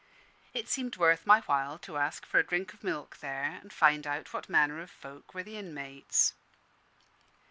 It seemed worth my while to ask for a drink of milk there, and find out what manner of folk were the inmates.